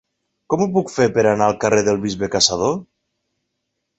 Com ho puc fer per anar al carrer del Bisbe Caçador?